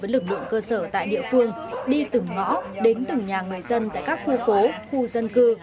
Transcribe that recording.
với lực lượng cơ sở tại địa phương đi từng ngõ đến từng nhà người dân tại các khu phố khu dân cư